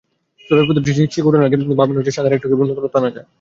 চুলোয় প্রতিটি শিক ওঠানোর আগে ভাবেন, স্বাদে আরেকটু নতুনত্ব কীভাবে আনা যায়।